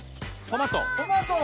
トマト。